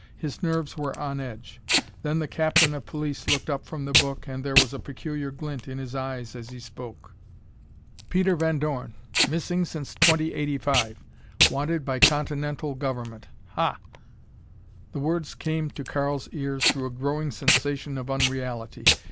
His nerves were on edge. Then the captain of police looked up from the book and there was a peculiar glint in his eyes as he spoke. "Peter Van Dorn. Missing since 2085. Wanted by Continental Government. Ha!" The words came to Karl's ears through a growing sensation of unreality.